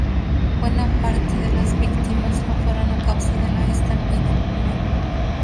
Buena parte de las víctimas lo fueron a causa de la estampida humana.